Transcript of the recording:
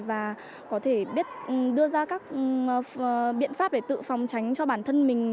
và có thể biết đưa ra các biện pháp để tự phòng tránh cho bản thân mình